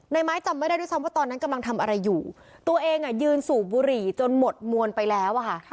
ไม้จำไม่ได้ด้วยซ้ำว่าตอนนั้นกำลังทำอะไรอยู่ตัวเองยืนสูบบุหรี่จนหมดมวลไปแล้วอะค่ะ